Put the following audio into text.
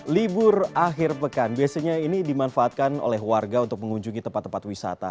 libur akhir pekan biasanya ini dimanfaatkan oleh warga untuk mengunjungi tempat tempat wisata